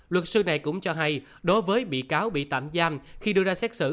luật sư này cũng cho hay đối với bị cáo bị tạm giam khi đưa ra xét xử